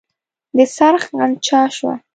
د څرخ غنجا شوه.